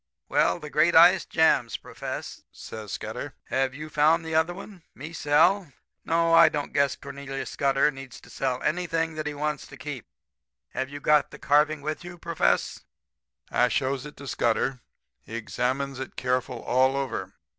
"'Well, the great ice jams, Profess!' says Scudder. 'Have you found the other one? Me sell? No. I don't guess Cornelius Scudder needs to sell anything that he wants to keep. Have you got the carving with you, Profess?' "I shows it to Scudder. He examines it careful all over.